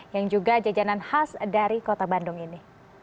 yang juga jajanan khas dari kota bandung ini